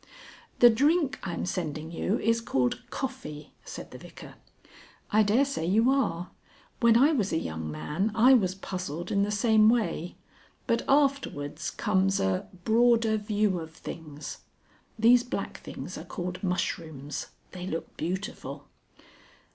"The drink I'm sending you is called coffee," said the Vicar. "I daresay you are. When I was a young man I was puzzled in the same way. But afterwards comes a Broader View of Things. (These black things are called mushrooms; they look beautiful.)